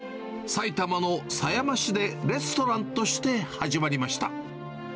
店は昭和４６年、埼玉の狭山市でレストランとして始まりました。